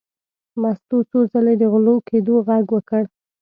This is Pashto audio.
مستو څو ځلې د غلي کېدو غږ وکړ.